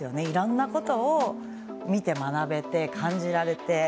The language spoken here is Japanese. いろんなことを見て学べて感じられて。